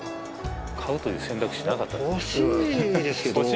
買うという選択肢なかった「欲しいですけど」